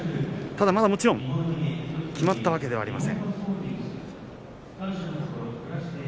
ただ、まだもちろん決まったわけではありません。